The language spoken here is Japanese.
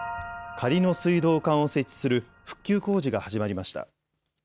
仮の水道管を設置する復旧工事が始まりました。